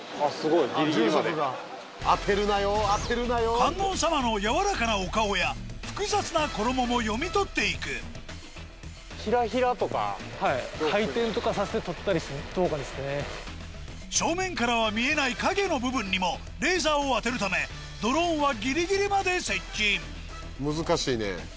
観音様のやわらかなお顔や複雑な衣も読み取って行く正面からは見えない陰の部分にもレーザーを当てるためドローンはぎりぎりまで接近難しいね。